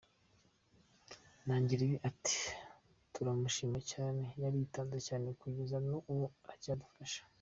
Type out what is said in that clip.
Nangiribi ati “ Turamushimira cyane , yaritanze cyane kugeza nubu aracyadufasha.